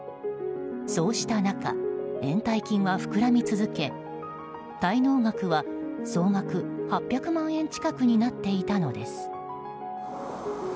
そうした中、延滞金は膨らみ続け滞納額は総額８００万円近くになっていたのです。